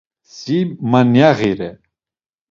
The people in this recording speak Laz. Si manyaği re.